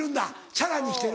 チャラにしてる。